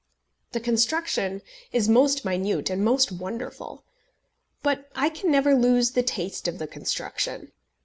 The construction is most minute and most wonderful. But I can never lose the taste of the construction.